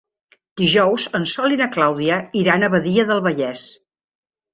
Dijous en Sol i na Clàudia iran a Badia del Vallès.